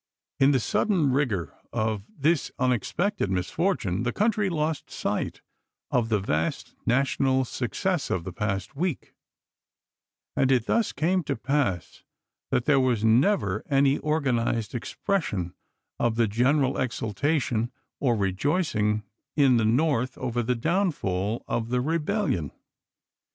In the sudden rigor of this unexpected misfortune the country lost sight of the vast national success of the past week; and it thus came to pass that there was never any organized expression of the general exultation or rejoicing in the North over the downfall of the rebellion.